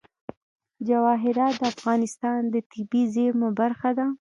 جواهرات د افغانستان د طبیعي زیرمو برخه ده.